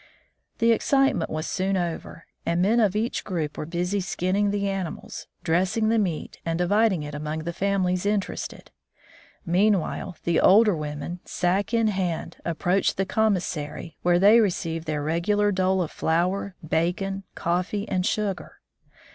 The excitement was soon over, and men of each group were busy skinning the animals, dressing the meat and dividing it among the families interested. Meanwhile the older women, sack in hand, approached the commissary, where they received their regular dole of flour, bacon, coffee, and sugar.